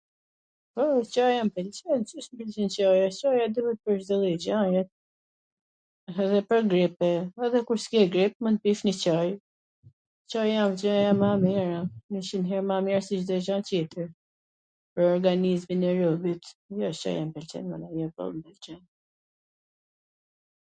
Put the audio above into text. O, Caja m pwlqen, si s mw pwlqen Caja? Caja duhet pwr Cdo lloj gjaje, edhe pwr grip, e, edhe kur s ke grip, tw pish njw Caj, Caji wsht gjaja ma e mira, njwqind her ma e mir se Cdo gja tjetwr, pwr organizmin e robit, jo, Caja m pwlqen, mana, mw pwlqen.